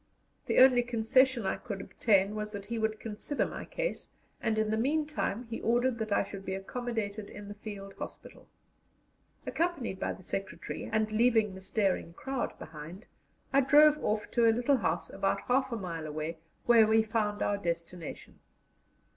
The only concession I could obtain was that he would consider my case, and in the meantime he ordered that I should be accommodated in the field hospital. Accompanied by the secretary, and leaving the staring crowd behind, I drove off to a little house, about half a mile away, where we found our destination.